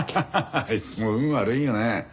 あいつも運悪いよね。